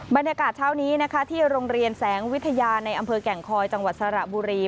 บรรยากาศเช้านี้นะคะที่โรงเรียนแสงวิทยาในอำเภอแก่งคอยจังหวัดสระบุรี